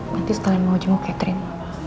nanti setelah mau jemo catherine